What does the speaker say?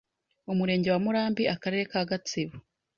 umurenge wa Murambi akarere ka Gatsibo,